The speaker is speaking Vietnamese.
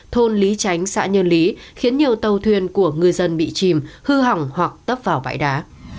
thôn lý chánh xã nhân lý khiến nhiều tàu thuyền của người dân bị chìm hư hỏng hoặc tấp vào bãi đá